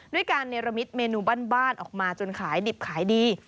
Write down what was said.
ด้วยการเนรมิตเมนูบ้านออกมาจนขายดิบขายดี